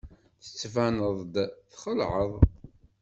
Tettbaneḍ-d txelɛeḍ.